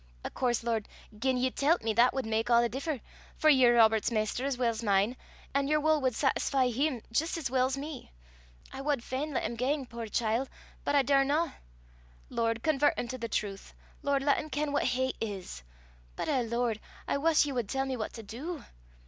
Of coorse, Lord, gien ye tellt me, that wad mak a' the differ, for ye're Robert's maister as weel 's mine, an' your wull wad saitisfee him jist as weel 's me. I wad fain lat him gang, puir chiel! but I daurna. Lord, convert him to the trowth. Lord, lat him ken what hate is. But eh, Lord! I wuss ye wad tell me what to du.